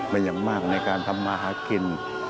เป็นอย่างมากในการทำมาหากิน